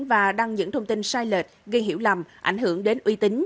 và đăng những thông tin sai lệch gây hiểu lầm ảnh hưởng đến uy tín